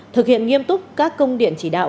thực hiện nghiêm túc các công điện chỉ đạo